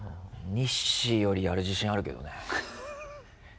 ニッシーよりやる自信あるけどね。